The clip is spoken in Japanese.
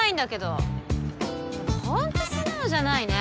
もう本当素直じゃないね。